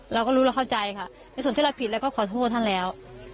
เราก็รู้เราเข้าใจค่ะในส่วนที่เราผิดเราก็ขอโทษท่านแล้ว